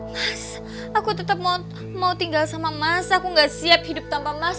mas aku tetap mau tinggal sama mas aku gak siap hidup tanpa mas